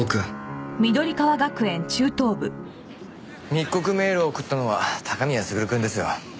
密告メールを送ったのは高宮優くんですよ。